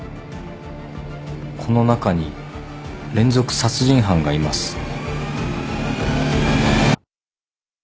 この中に連続殺人犯がいます。